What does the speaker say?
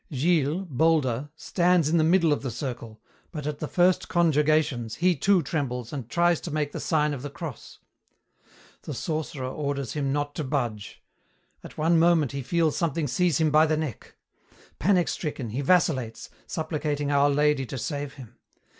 Gilles, bolder, stands in the middle of the circle, but at the first conjurgations he too trembles and tries to make the sign of the cross. The sorcerer orders him not to budge. At one moment he feels something seize him by the neck. Panic stricken, he vacillates, supplicating Our Lady to save him.